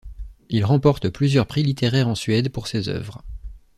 Il remporte plusieurs prix littéraires en Suède pour ses œuvres.